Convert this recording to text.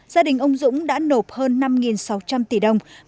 gia đình ông dũng đã nộp hơn năm sáu trăm linh tỷ đồng